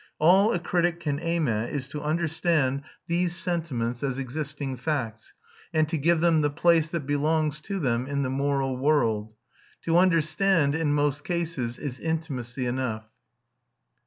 All a critic can aim at is to understand these sentiments as existing facts, and to give them the place that belongs to them in the moral world. To understand, in most cases, is intimacy enough.